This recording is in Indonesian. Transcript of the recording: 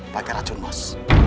pakai racun bos